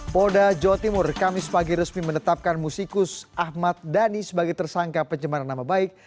polda jawa timur kamis pagi resmi menetapkan musikus ahmad dhani sebagai tersangka pencemaran nama baik